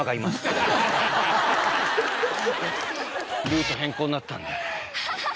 ルート変更になったんだよね。